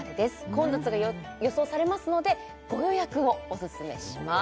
混雑が予想されますのでご予約をオススメします